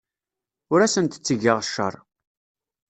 Ur asent-ttgeɣ cceṛ.